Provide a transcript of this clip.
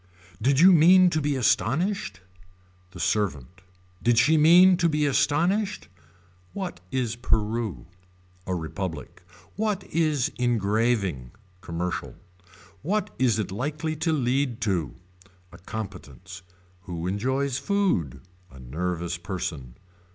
Did you mean to be astonished. The servant. Did she mean to be astonished. What is Peru. A republic. What is engraving. Commercial. What is it likely to lead to. A competence. Who enjoys food. A nervous person.